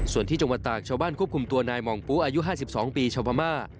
ส่วนที่จังหวัดตากชาวบ้านควบคุมตัวนายห่องปูอายุ๕๒ปีชาวพม่า